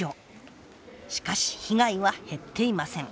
しかし被害は減っていません。